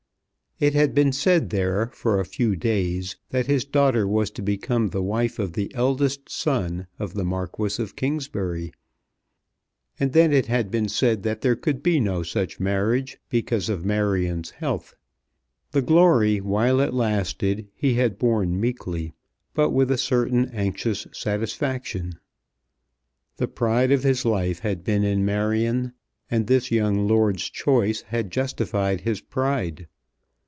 It had been said there for a few days that his daughter was to become the wife of the eldest son of the Marquis of Kingsbury, and then it had been said that there could be no such marriage because of Marion's health. The glory while it lasted he had borne meekly, but with a certain anxious satisfaction. The pride of his life had been in Marion, and this young lord's choice had justified his pride.